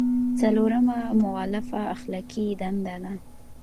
څلورمه مولفه اخلاقي دنده ده.